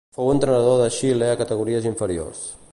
Fou entrenador de Xile a categories inferiors.